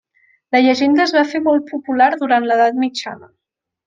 La llegenda es va fer molt popular durant l'edat mitjana.